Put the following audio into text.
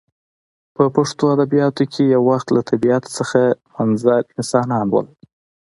په پښتو ادبیاتو کښي یو وخت له طبیعت څخه منظر انسانان ول.